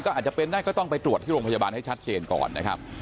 อาจจะเป็นได้ก็ต้องไปตรวจที่โรงพยาบาลให้ชัดเจนก่อนนะครับ